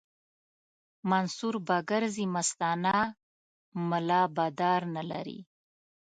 منصور به ګرځي مستانه ملا به دار نه لري